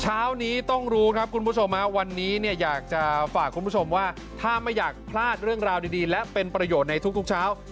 เช้านี้ต้องรู้ครับคุณผู้ชมวันนี้เนี่ยอยากจะฝากคุณผู้ชมว่าถ้าไม่อยากพลาดเรื่องราวดีและเป็นประโยชน์ในทุกเช้า